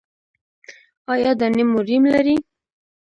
ایا دانې مو ریم لري؟